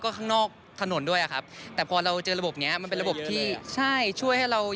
ข้างนอกถนนด้วยอะครับแต่พอเราเจอระบบเนี้ยมันเป็นระบบที่ใช่ช่วยให้เรา